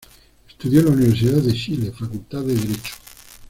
Estudió en la Universidad de Chile, Facultad de Derecho.